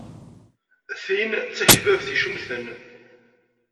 Tin d takbabt icemten.